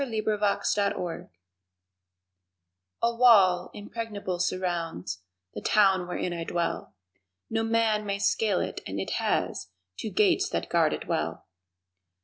The Town Between A WALL impregnable surrounds The Town wherein I dwell; No man may scale it and it has Two gates that guard it well.